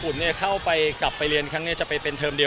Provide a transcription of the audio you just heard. นะครับโทษครับ